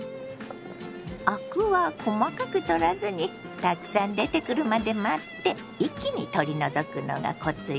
アクは細かく取らずにたくさん出てくるまで待って一気に取り除くのがコツよ。